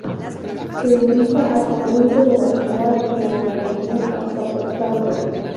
Se ubica al poniente de la ciudad, en la delegación Azcapotzalco.